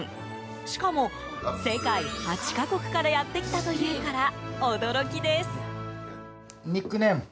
しかも、世界８か国からやってきたというから驚きです。